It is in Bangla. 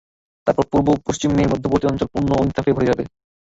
তারপর পূর্ব ও পশ্চিমের মধ্যবর্তী অঞ্চল পূণ্য ও ইনসাফে ভরে যাবে।